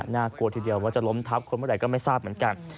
น่ากลัวทีเดียวว่าจะล้มทับคนเมื่อไหร่ก็ไม่ทราบเหมือนกัน